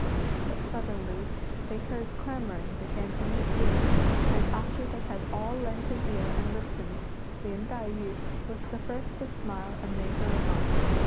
But suddenly they heard clamouring begin in his room, and after they had all lent an ear and listened, Lin Tai yü was the first to smile and make a remark.